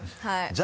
はい。